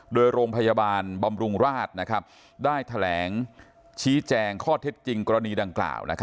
โดยโรงพยาบาลบำรุงราชได้แถลงชี้แจงข้อเท็จจริงกรณีดังกล่าว